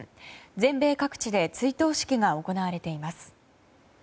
全米各地で追悼式が行われています。